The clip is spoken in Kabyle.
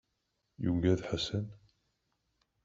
Yuggad Ḥasan?